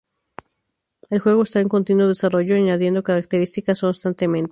El juego está en continuo desarrollo, añadiendo características constantemente.